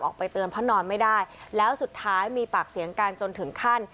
ออกไปเตือนเพราะนอนไม่ได้แล้วสุดท้ายมีปากเสียงกันจนถึงขั้น